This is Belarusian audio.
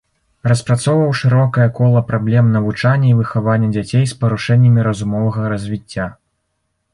Распрацоўваў шырокае кола праблем навучання і выхавання дзяцей з парушэннямі разумовага развіцця.